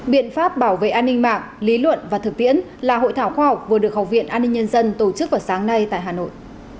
biện pháp bảo vệ an ninh mạng lý luận và thực tiễn là hội thảo khoa học vừa được học viện an ninh nhân dân tổ chức vào sáng nay tại hà nội